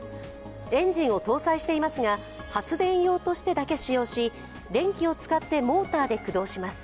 エンジンを搭載していますが発電用としてだけ使用し電気を使ってモーターで駆動します。